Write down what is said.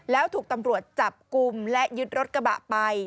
แล้วถูกตำรวจจับกลุ่มและยึดรถกระบะไป